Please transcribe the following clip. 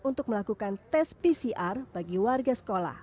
untuk melakukan tes pcr bagi warga sekolah